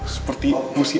seperti busi aa